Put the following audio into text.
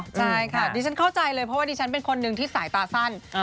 ใช่ค่ะดิฉันเข้าใจเลยเพราะว่าดิฉันเป็นคนหนึ่งที่สายตาสั้น